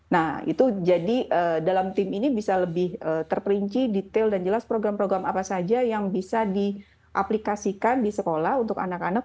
nah itu jadi dalam tim ini bisa lebih terperinci detail dan jelas program program apa saja yang bisa diaplikasikan di sekolah untuk anak anak